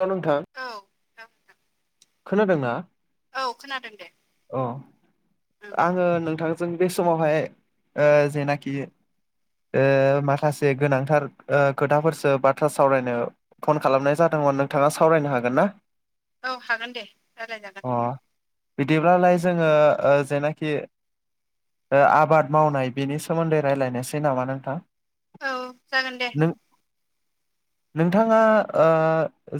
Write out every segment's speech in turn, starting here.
नंगौ नोंथां। औ [unintelligible] खोनादोंना औ खोनादों दे अ ओं आङो नोंथां। जों बे समावहाय जेनाखि। माखासे गोनांथार खोथाफोरसो बाथ्रा सावरायनो फन खालामनाय जादोंमोन नोंथाङा सावरायनो हागोन ना। औ हागोन दे रायलायजागोन। अ बिदिब्लालाय जोङो जेनाखि् आबाद मावनाय बिनि सोमोन्दै रायलायनोसै नामा नोंथां। औ जागोन दे। नों नोंथाङा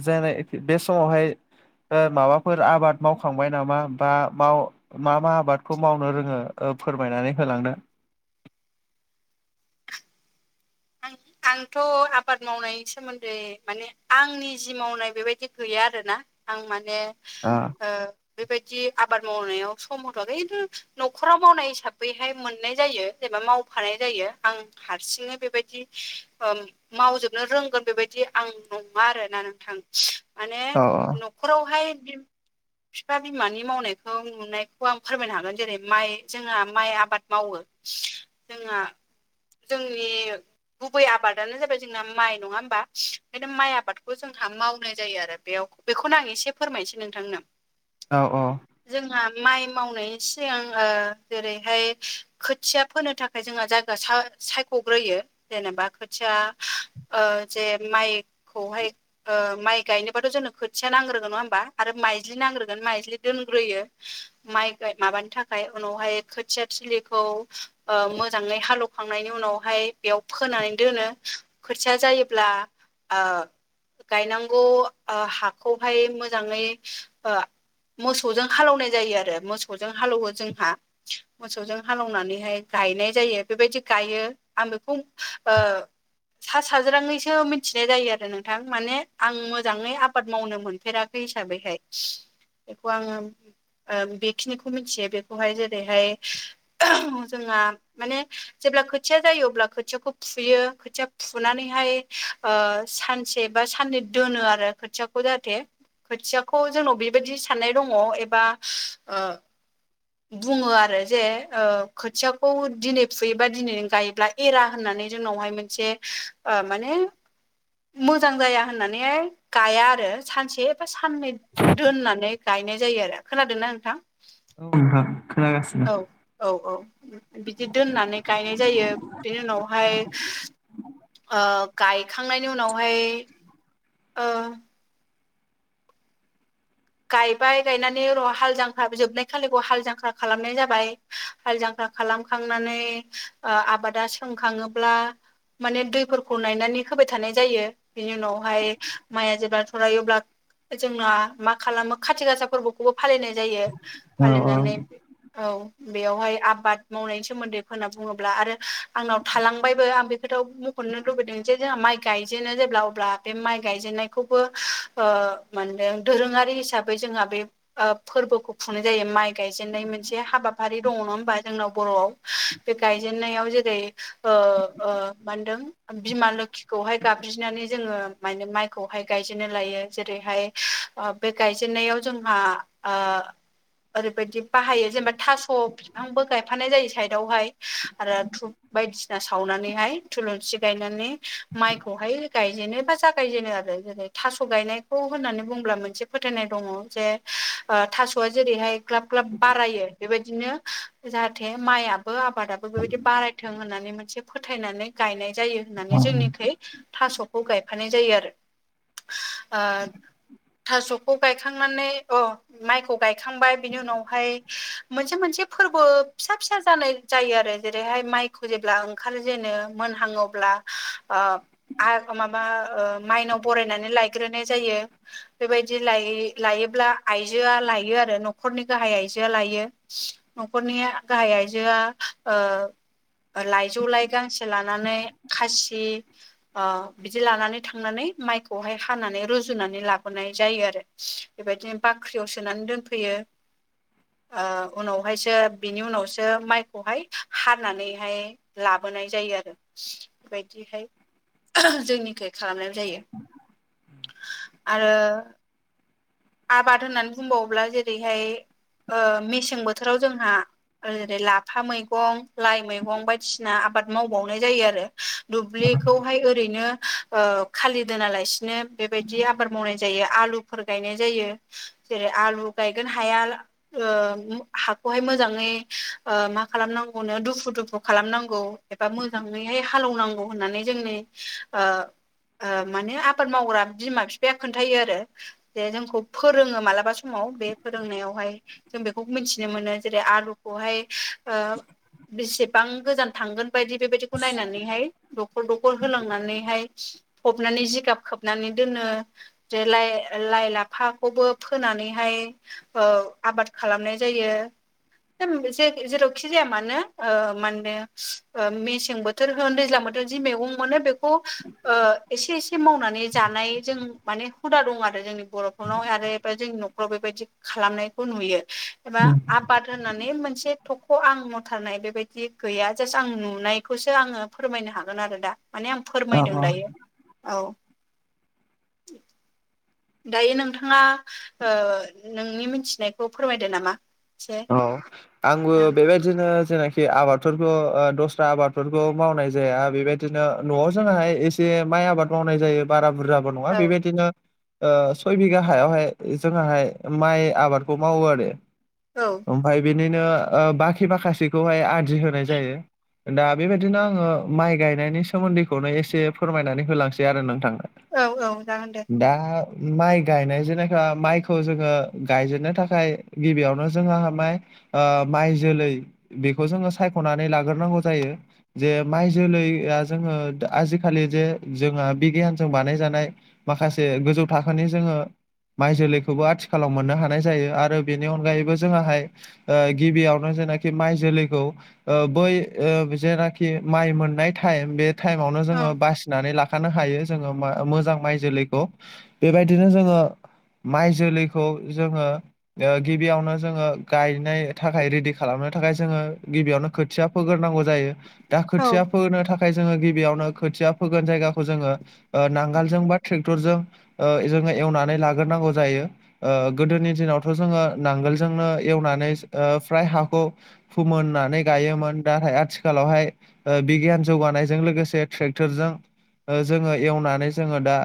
जेनेबा बे समावहाय माबाफोर आबाद मावखांबाय नामा बा माव मा मा आबादखौ मावनो रोङो फोरमायनानै होलांनो आं आंथ' आबाद मावनायनि सोमोन्दै माने आंनि जि मावनाय बेबायदि गैया आरोना आं माने आ। ओ बेबायदि आबाद मावनायाव सम हथ' खिन्थु न'खराव मावनाय हिसाबैहाय मोननाय जायो। जेनेबा मावफानाय जायो आं हारसिंनो बेबायदि मावजोबनो रोंगोन बेबायदि आं नङा आरोना नोंथां। माने औ न'खरावहाय बिफा बिमानि मावनायखौ नुनायखौ आं फोरमायनो हागोन जेरै माइ जोंहा माइ आबाद मावो। [inaudible] जोंहा जोंनि गुबै आबादानो जाबाय जोंना माइ नङा होमबा ओंखायनो माइ आबादखौ जोंहा मावनाय जायो आरो बेयाव बेखौनो आं एसे फोरमायसै नोंथांनो। औ औ। जोंहा माइ मावनायनि सिगां जेरैहाय खोथिया फोनो थाखाय जोंहा जायगा सायख'ग्रोयो जेनेबा खोथिया ओ जे माइखौहाय ओ माइ गायनोबाथ' जोंनो खोथिया नांग्रोगोन नङा होमबा आरो माइज्लि नांग्रोगोन माइज्लि दोनग्रोयो माइाइ माबानि थाखाय उनावहाय खोथिया थिलिखौ मोजाङै हालौ खांनायनि उनावहाय बेयाव फोनानै दोनो खोथिया जायोब्ला गायनांगौ ओ हाखौहाय मोजाङै मोसौजों हालेवनाय जायो आरो मोसौजों हालौवो जोंहा मोसौजों हालौनानैहाय गायनाय जायो बेबायदि गायो आं बे ओ सा साज्राङैसो मिथिनाय जायो आरो नोंथां माने आं मोजाङै आबाद मावनो मोनफेराखै यै हिसाबैहाय बेखौ आङो ओ बेखिनिखौ मिथियो बेखौहाय जेरैहाय जोंहा माने जेब्ला खोथिया जायो अब्ला खोथियाखौ फुयो खोथिया फुनानैहाय ओ सानसे बा साननै दोनो आरो खो खौ जाहाथे खोथियाखौ जोंनाव बेबायदि सान्नाय दङ एबा बुङो आरो जे ओ खोथियाखौ दिनै फुयोबा दिनै गायोबाय एरा होननानै जोंनावहाय मोनसे माने मोजां जाया होननानैहाय गाया आरो सानसे साननै दोननानै गायनाय जायो आरो खोनादोंना‌ नोंथां औ नोंथां खोनागासिनो औ औ औ बिदि दोननानै गायनाय जायो बिनि उनावहाय ओ गायखांनायनि उनावहाय ओ गायबाय गायनानै र' हाल जांख्रा जोबनाय खालिखौ हाल जांख्रा खालामनाय जाबाय हाल जांख्रा खालामखांनानै ओ आबादा सोंखाङोब्ला माने दैफोरखौ नायनानै होबाय थानाय जायो बिनि उनावहाय माइआ जेब्ला थरायो अब्ला जोंना मा खालामो खाथि गासा फोरबोखौबो फालिनाय जायो औ औ फालिनानै औ बेयावहाय आबाद मावनायनि सोमोन्दै होनना बुङोब्ला आरो आंनाव थालांबायबो आं बे खोथाव खननो लुबैदों जे जोंहा माइ गायजेनो जेब्ला अब्ला बे माइ गायजेननायखौबो ओ मानदों दोरोङारि हिसाबै जोंहा बे ओ फोरबोखौ खुंनाय जायो माइ गायजेननाय मोनसे हाबाफारि दङ नङा होमबा जोंनाव बर'आव बे गायजेननायाव जेरै ओ ओ मा होनदों बिमा लोखि हाय गाबज्रिनानै जोङो माने माइखौहाय गायजेनो लायो जेरैहाय बे गायजेनन्नायाव जोंहा ओ ओरैबायदि बाहायो जेनेबा थास' बिफांबो गायफानाय जायो साइदावहाय आरो बायदिसिना सावनानैहाय थुलुंसि गायनानै माइखौहाय गायजेनो बा जागायजेनो आरो जेरै थास' गायनायखौ होननानै बुंब्ला मोनसे फोथायनाय दङ जे ओ थास'आ जेरैहाय ग्लाब ग्लाब बारायो बेबायदिनो जाहाथे माइयाबो आबादाबो बेबायदि बारायथों होननानै मोनसे फोथायनानै गायनाय जायो होननानै औ जोंनिखै ओ थास'खौ गायफानाय जायो आरो थास'खौ गायखांनानै अ माइखौ गायखांबाय बिनि उनावहाय मोनसे मोनसे फोरबो फिसा फिसा जानाय जायो आरो जेरैहाय माइखौ जेब्ला ओंखार जेनो मोनहाङोब्ला ओ आग माबा ओ माइनाव बरायनानै लायग्रोनाय जायो बेबायदि लाय लायोब्ला आइजोआ लायो आरो न'खरनि गाहाय आइजोआ लायो न'खरनि गाहाय आइजोआ ओ लाइजौ लाइ गांसे लानानै खासि अ बिदि लानानै थांनानै माइखौहाय हानानै रुजुनानै ला हरनाय जायो आरो बेबायदिनो बाख्रियाव सोनानै दोनफैयो ओ उनावहायसो बिनि उनावसो माइखौहाय हानानैहाय लाबोनाय जायो आरो बेबायदिहाय जोंनिखै खालामनाय जायो उ आरो आबाद होननानै बुंबावोब्ला जेरैहाय ओ मेसें बोथोराव जोंहा ओरै लाफा मैगं लाइ मैगं बायदिसिना आबाद मावबावनाय जायो आरो दुब्लिखौहाय ओरैनो ओ खालि दोनालासिनो बेबायदि आबाद मावनाय जायो आलु फोर गायनाय जायो जेरै आलु गायगोन हाया ओ हाखौहाय मोजाङै ओ मा खालामनांगौनो दुफु दुफु खालामनांगौ एबा मोजाङैहाय हालौनांगौ होननानै जोंनि माने आबाद मावग्रा बिमा बिफाया खोनथायो आरो जे जोंखौ फोरोङो मालाबा समाव बे फोरोंनायावहाय जों बेखौ मिथिनो मोनो जेरै आलुखौहाय ओ बेसेबां गोजान थांगोन बायदि बेबायदिखौ नायनानैहाय दखर दखर होलांनानैहाय फबनानै जिगाब खोबनानै दोनो जे लाय लाइ लाफाखौबो फोनानैहाय ओ आबाद खालामनाय जायो मोनसे जेरावखि जाया मानो माने मेसें बोथोर बोथोर होन दैज्लां बोथोराव जि मैगं मोनो बेखौ एसे एसे मावनानै जानाय जों माने हुदा दं आरो जोंनि बर'फोरनाव आरो जोंनि न'खराव बेबायदि खालामनायखौ नुयो एबा आ- बाद होननानै मोनसे थख' आं मावथारनाय बेबायदि गैया जास्ट आं नुनायखौसो आङो फोरमायनो हागोन आरो दा माने आं औ फोरमायदों औ दायो औ दायो नोंथाङा ओ नोंनि मिथिनायखौ फोरमायदो नामा एसे औ आंबो औ बेबाय दिनो जेनाखि आबादफोरखौ दस्रा आबादफोरखौ मावनाय जाया बेबायदिनो न'आव जोंहाहाय एसे जे माइ आबाद मावनाय जायो बारा बुरजाबो नङा बेबायदिनो ओ सय बिगा हायावहाय जोंहाहाय माइ आबादखौ मावो आरो। औ ओमफ्राय बिनिनो ओ बाखि माखासेखौहाय आदि होनाय जायो दा बेबायदिनो आङो माइ गायनायनि सोमोन्दैखौनो एसे फोरमायनानै होलांसै आरो नोंथां औ औ जागोन दे दा माइ गायनाय जेनेखा माइखौ जोङो गायजेननो थाखाय गिबियावनो जोंहा माय माइ जोलै बेखौ जोङो सायख'नानै लाग्रोनांगौ जायो जे माइ जोलैया जोङो आजिखालि जे जोंहा बिगियानजों बानायजानाय माखासे गोजौ थाखोनि जोङो माइ जोलैखौबो आथिखालाव मोननो हानाय जायो आरो बेनि अनगायैबो जोंहाहाय ओ गिबियावनो जेनाखि माइ जोलैखौ ओ बै ओ जेनाखि माइ मोननाय टाइम बे टाइमावनो औ जोङो बासि नानै लाखानो हायो जोङो मोजां माइ जोलैखौ बेबायदिनो जोङो माइ जोलैखौ जोङो गिबियावनो जोङो गायनो थाखाय रेडि खालामनो थाखाय जोङो गिबियावनो खोथिया फोग्रोनांगौ जायो दा औ खोथिया फोनो थाखाय जोङो गिबियावनो खोथिया फोगोन जायगाखौ जोङो ओ नांगोलजों बा ट्रेक्टरजों ओ जोङो एवनानै लाग्रोनांगौ जायो ओ गोदोनि दिनावथ' जोङो नांगोल जोंनो एवनानै ओ फ्राय हाखौ फोमोननानै गायोमोन नाथाय आथिखालावहाय बिगियान जौगानायजों लोगोसे ट्रेक्टरजों जोङो एवनानै जोङो दा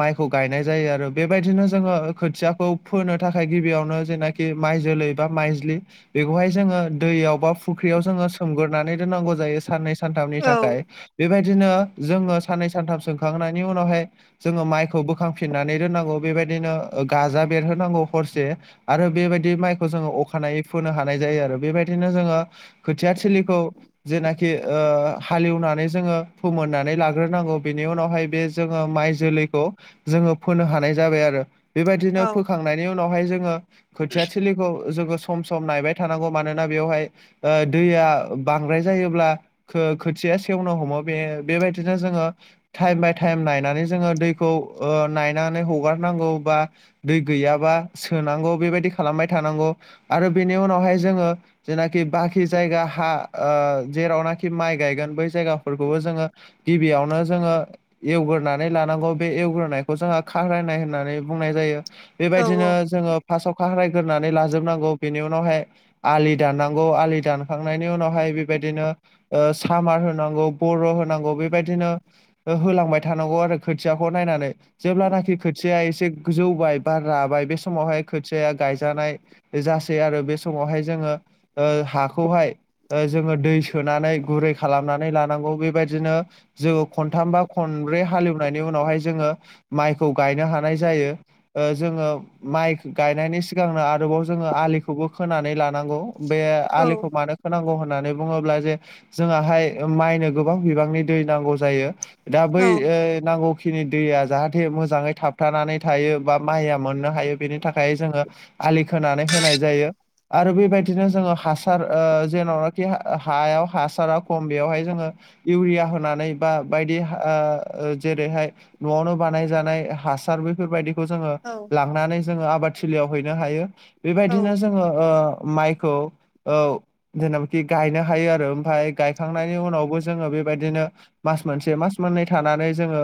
माइखौ गायनाय जायो आरो बेबायदिनो जोङो खोथियाखौ फोनो थाखाय गिबियावनो जोंना माइजोलै बा माइजिलि बेखौहाय जोङो दैयाव बा फुख्रियाव जोङो सोमगोरोनानै दोननांगौ जायो साननै सो सानथामनि औ थाखाय बेबायदिनो जोङो साननै सानथाम सोमखांनायनि उनावहाय जोङो माइखौ बोखांफिननानै दोननांगौ बेबायदिनो गाजा बेरहोनांगौ हरसे आरो बेबायदि माइखौ जोङो अखानायै फोनो हानाय जायो आरो बेबायदिनो जोङो खोथिया थलिखौ जेनाखि हालेएवनानै जोङो फोमोननानै लाग्रोनांगौ बेनि उनावहाय बे जोङो माइ जोलैखौ जोङो फोनो हानाय जाबाय आरो औ बेबायदिनो फोखांनायनि उनावहाय जोङो खोथिया थलिखौ जोङो सम सम नायबाय थानांगौ मानोना बेवहाय दैया बांद्राय जायोब्ला खोथिया सेवनो हमो बे बेबायदिनो जोङो टाइम बाय टाइम नायनानै जोङो दैखौ नायनानै हगारनांगौ बा दै गैयाबा सोनांगौ बेबायदि खालामबाय थानांगौ आरो बेनि उनावहाय जोङो जेनाखि बाखि जायगा हा जेरावनाखि माइ गायगोन बै जायगाफोरखौबो जोङो गिबियावनो जोङो एवग्रोनानै लानांगौ बे एवग्रोनायखौ जोंहा खारायनाय होननानै बुंनाय जायो बेबायदिनो जोङो फार्स्टआव खारायग्रोनानै लाजोबनांगौ बेनि उनावहाय आलि दाननांगौ आलि दानखांनायनि उनावहाय बेबायदिनो सामार होनांगौ बरन' होनांगौ बेबायदिनो होलांबाय थानांगौ आरो खोथियाखौ नायनानै जेब्लानाखि खोथिया एसे जौबाय बा राबाय बे समावहाय खोथियाया गायजानाय जासै आरो बे समावहाय जोङो हाखौहाय जोङो दै सोनानै गुरै खालामनानै लानांगौ बेबायदिनो जोङो खनथाम बा खनब्रै हालेएवनायनि उनावहाय जोङो माइखौ गायनो हानाय जायो जोङो माइ गायनायनि सिगांनो आरोबाव जोङो आलिखौबो खोनानै लानांगौ बे औ आलिखौ मानो होनांगौ होननानै बुङोब्ला जे जोंआहाय माइनो गोबां बिबांनि दै नांगौ जायो दा बै औ नांगौ खिनि दैया जाहाथे मोजाङै थाबथानानै थायो बा माइया मोननो हायो बेनि थाखाय जोङो आलि खोनानै होनाय जायो आरो बेबायदिनो जोङो हासार जेरावनाखि हायाव हासारा खम बेवहाय जोङो इउरिया होनानै बा बायदि जेरैहाय न'आवनो बानाय जानाय हासार बेफोरबायदि जोंडो़ लांनानै जों आबादथिलियाव हैनो हायो बेबायदिनो जों ओ माइखौ जेनाबाखि गायनो हायो आरो ओमफ्राय गायखांनायनि उनावबो जोङो बेबायदिनो मास मोनसे मास मोननै थानानै जोङो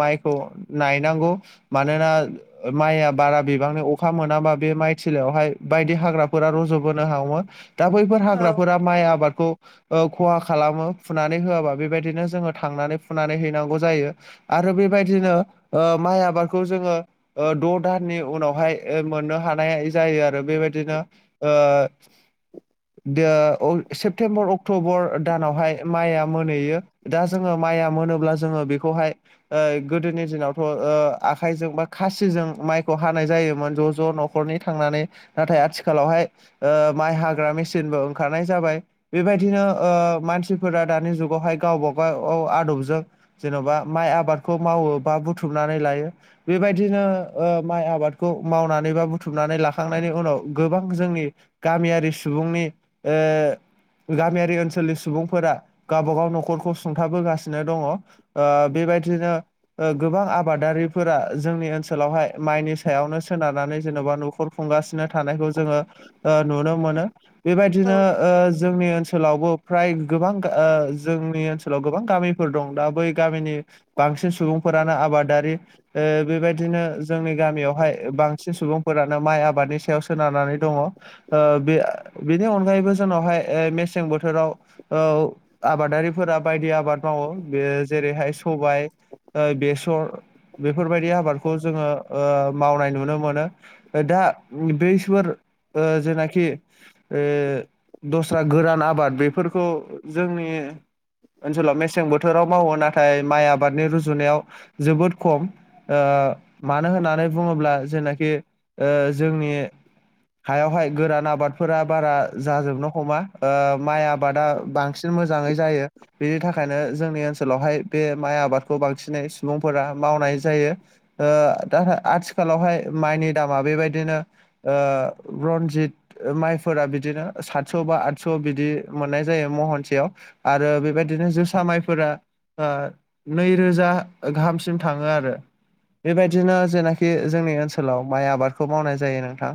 माइखौ नायहैनांगौ मानोना माइया बारा बिबांनि अखा मोनाबा बे माइथिलियावहाय बायदि हाग्राफोरा रज'बोनो हागौ। दा बैफोर औ हाग्राफोरा माइ आबादखौ खहा खालामो फुनानै होआबा बेबायदिनो जोङो थांनानै फुनानै हैनांगौ जायो आरो बेबायदिनो माइ आबादखौ जोङो द' दाननि उनावहाय मोननो हानाय जायो आरो बेबायदिनो। द सेप्तेम्बर अक्ट'बर दानावहाय माइआ मोनहैयो दा जोङो माइया मोनोब्ला जोङो बेखौहाय गोदोनि दिनावथ' आखाइजों बा खासिजों माइखौ हानाय जायोमोन ज' ज' न'खरनि थांनानै नाथाय आथिखालावहाय माइ हाग्रा मेसिनबो ओंखारनाय जाबाय। बेबायदिनो मानसिफोरा दानि जुगावहाय गावबा गाव आदबजों। जेने'बा माइ आबादखौ मावो बा बुथुमनानै लायो बेबायदिनो माइ आबादखौ मावनानै बा बुथुमनानै लाखांनायनि उनाव गोबां जोंनि गामियारि सुबुंनि। ओ। गामियारि ओनसोलनि सुबुंफोरा गावबागाव न'खरखौ सुंथाबोगासिनो दङ। बेबायदिनो। गोबां आबादारिफोरा जोंनि ओनसोलावहाय माइनि सायावनो। सोनारनानै जेन'बा न'खर खुंगासिनो थानायखौ जोङो नुनो मोनो। औ बेबायदिनो ओ जोंनि ओनसोलावबो फ्राय गोबां जोंनि ओनसोलाव गोबां गामिफोर दं दा बै गामिनि। बांसिन सुबुंफोरानो आबादारि बेबायदिनो जोंनि गामियावहाय बांसिन सुबुंफोरानो माइ आबादनि सायाव सोनारनानै दङ। बे बेनि अनगायैबो जोंनावहाय मेसें बोथोराव औ आबादारिफोरा बायदि आबाद मावो बे जेरैहाय सबाय बेसर बेफोरबायदि आबादखौ जोङो। मावनाय नुनो मोनो दा बैसोर जेनाखि दस्रा गोरान आबाद बेफोरखौ जोंनि ओनसोलाव मेसें बोथोराव मावो नाथाय माइ आबादनि रुजुनायाव जोबोद खम ओ मानो होननानै बुङोब्ला जेनाखि जोंनि हायावहाय गोरान आबादफोरा बारा जाजोबनो हमा माइ आबादा बांसिन बांसिन मोजाङै जायो बेनि थाखायनो जोंनि ओनसोलावहाय बे माइ आबादखौ बांसिनै सुबुंफोरा मावनाय जायो। दा आथिखालावहाय माइनि दामा बेबायदिनो आ रनजित माइफोरा बिदिनो सातस' बा आदस' बिदि मोननाय जायो महनसेयाव। आरो बेबायदिनो जोसा माइफोरा नैरोजा गाहामसिम थाङो आरो बेबायदिनो जेनाखि खि जोंनि ओनसोलाव माइ आबादखौ मावनाय जायो नोंथां।